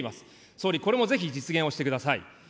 総理、これもぜひ実現をしてください。